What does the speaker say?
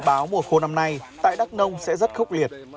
báo mùa khô năm nay tại đắk nông sẽ rất khốc liệt